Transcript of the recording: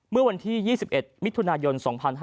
เมื่อวันที่๒๑มิถุนายน๒๕๕๙